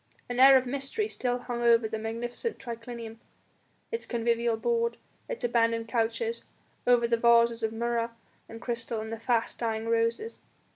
An air of mystery still hung over the magnificent triclinium, its convivial board, its abandoned couches, over the vases of murra and crystal and the fast dying roses.